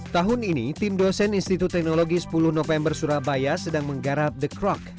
tahun ini tim dosen institut teknologi sepuluh november surabaya sedang menggarap the crock